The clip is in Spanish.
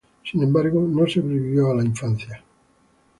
Sin embargo no sobrevivió a la infancia.